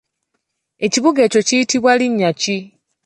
Ekibuga ekyo kiyitibwa linnya ki?